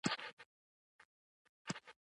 په دې وخت کې د ترکیبي کښت سایکل هم ترویج شو